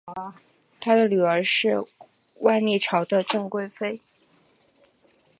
他的女儿是万历朝的郑贵妃。